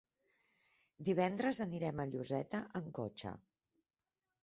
Divendres anirem a Lloseta amb cotxe.